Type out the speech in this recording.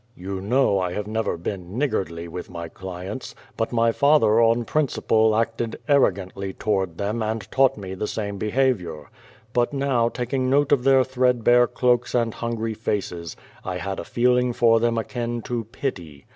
You know I have never been niggardly with my clients. But my father on principle acted arrogantly toward them and taught me the same behavior. But now taking note of their thread bare cloaks and hungry faces, I had a feeling for them akin to pity.